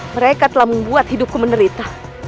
mereka telah membuat hidupku menderita